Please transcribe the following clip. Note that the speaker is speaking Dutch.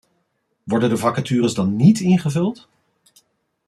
Worden de vacatures dan niet ingevuld?